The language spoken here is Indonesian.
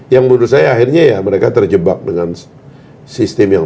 yang menurut saya akhirnya ya mereka terjebak dengan sistem yang